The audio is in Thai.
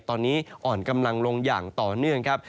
ตอนนี้อ่อนกำลังลงอย่างต่อเนื่องครับ